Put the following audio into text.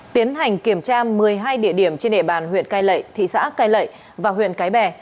tiến hành kiểm tra một mươi hai địa điểm trên địa bàn huyện cai lệ thị xã cai lậy và huyện cái bè